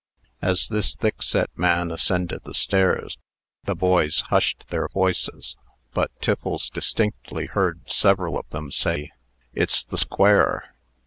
As this thick set man ascended the stairs, the boys hushed their voices; but Tiffles distinctly heard several of them say, "It's the Square."